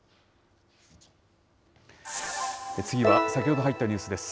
次は先ほど入ったニュースです。